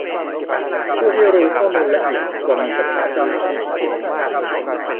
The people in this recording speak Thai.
ผู้ที่รู้ข้อมูลละเอียดควรมีเฉพาะเจ้าหน้าที่ที่เกี่ยวข้อง